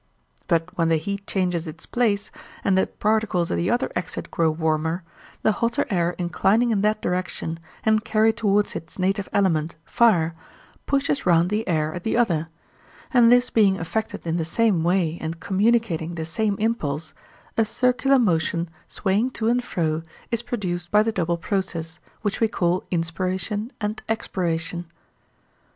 But when the heat changes its place, and the particles at the other exit grow warmer, the hotter air inclining in that direction and carried towards its native element, fire, pushes round the air at the other; and this being affected in the same way and communicating the same impulse, a circular motion swaying to and fro is produced by the double process, which we call inspiration and expiration.